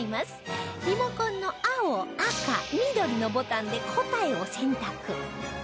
リモコンの青赤緑のボタンで答えを選択